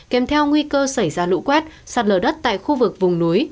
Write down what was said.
kèm theo nguy cơ xảy ra lũ quét sạt lở đất tại khu vực vùng núi